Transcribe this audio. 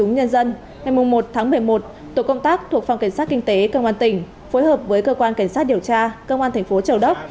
ngày một tháng một mươi một tổ công tác thuộc phòng cảnh sát kinh tế công an tỉnh phối hợp với cơ quan cảnh sát điều tra công an thành phố châu đốc